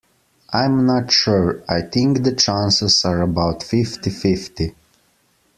I'm not sure; I think the chances are about fifty-fifty